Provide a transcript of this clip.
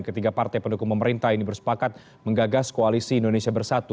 ketiga partai pendukung pemerintah ini bersepakat menggagas koalisi indonesia bersatu